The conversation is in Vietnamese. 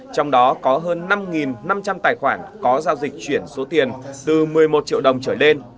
trong đó có hơn năm năm trăm linh tài khoản có giao dịch chuyển số tiền từ một mươi một triệu đồng trở lên